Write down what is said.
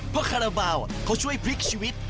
เพราะคาราบาลเขาช่วยพลิกชีวิต